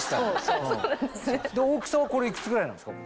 大きさはこれいくつぐらいなんですか？